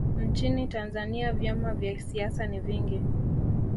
nchini tanzania vyama vya siasa ni vingi